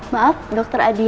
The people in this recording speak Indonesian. maaf dokter adi yang